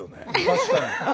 確かに。